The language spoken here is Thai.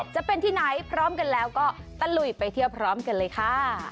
จะเป็นที่ไหนพร้อมกันแล้วก็ตะลุยไปเที่ยวพร้อมกันเลยค่ะ